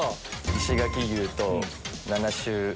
石垣牛と七種。